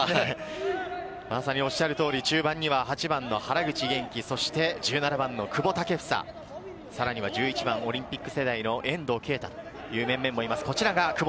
まさにおっしゃる通り中盤には８番の原口元気、そして１７番の久保建英。さらには１１番、オリンピック世代の遠藤渓太という面々もいます。